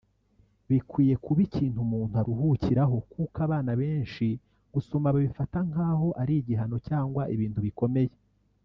Bikwiye kuba ikintu umuntu aruhukiraho kuko abana benshi gusoma babifata nk’aho ari igihano cyangwa ibintu bikomeye